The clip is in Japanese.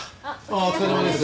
お疲れさまです。